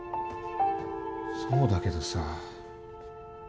そうだけどさ。